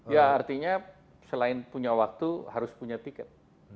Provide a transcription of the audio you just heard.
ya artinya selain punya waktu harus punya tiket